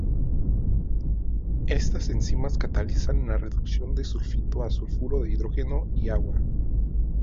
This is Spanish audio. Estas enzimas catalizan la reducción del sulfito a sulfuro de hidrógeno y agua.